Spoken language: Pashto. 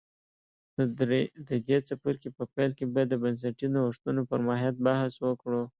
د دې څپرکي په پیل کې به د بنسټي نوښتونو پر ماهیت بحث وکړو